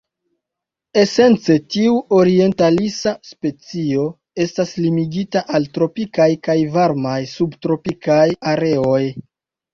Esence tiu orientalisa specio estas limigita al tropikaj kaj varmaj subtropikaj areoj.